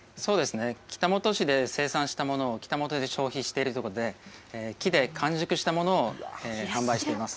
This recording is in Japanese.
北本市で生産したものを北本で消費しているということで、木で完熟したものを販売しています。